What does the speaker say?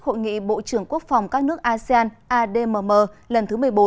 hội nghị bộ trưởng quốc phòng các nước asean admm lần thứ một mươi bốn